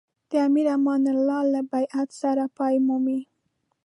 د امیر امان الله له تبعید سره پای مومي.